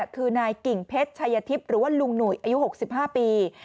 คือนายกิ่งเพชรชายทิพย์หรือว่าลุงหนุ่ยอายุ๖๕ปี